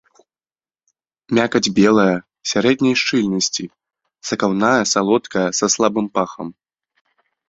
Мякаць белая, сярэдняй шчыльнасці, сакаўная, салодкая, са слабым пахам.